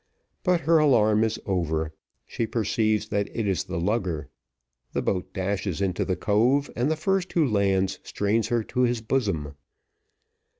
But her alarm is over, she perceives that it is the lugger, the boat dashes into the cove, and the first who lands strains her to his bosom.